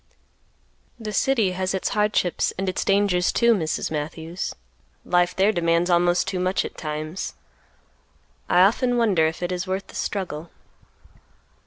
"The city has its hardships and its dangers too, Mrs. Matthews; life there demands almost too much at times; I often wonder if it is worth the struggle."